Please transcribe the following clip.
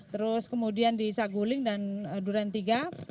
terus kemudian di saguling dan durantiga